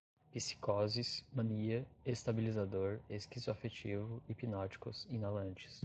psicoses, mania, estabilizador, esquizoafetivo, hipnóticos, inalantes